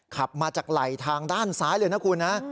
ขับมาจากไหลทางด้านซ้ายเลยนะคุณนะ